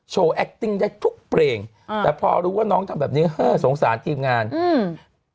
แอคติ้งได้ทุกเพลงอ่าแต่พอรู้ว่าน้องทำแบบนี้เฮ้อสงสารทีมงานอืม